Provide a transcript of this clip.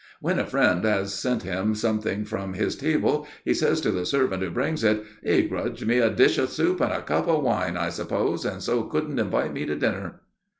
"When a friend has sent him something from his table, he says to the servant who brings it: 'He grudged me a dish of soup and a cup of wine, I suppose, and so couldn't invite me to dinner.